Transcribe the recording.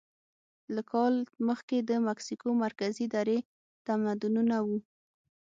له کال مخکې د مکسیکو مرکزي درې تمدنونه وو.